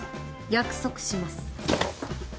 約束します。